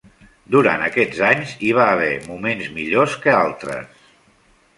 Durant aquests anys hi va haver moments millors que altres.